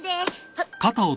あっ。